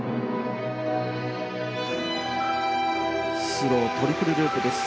スロートリプルループです。